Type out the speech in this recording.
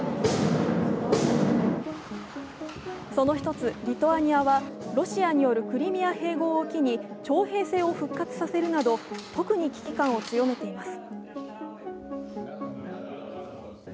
その一つ、リトアニアはロシアによるクリミア併合を機に徴兵制を復活させるなど特に危機感を強めています。